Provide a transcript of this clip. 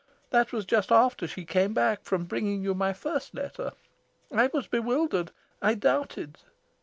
That was just after she came back from bringing you my first letter. I was bewildered. I doubted.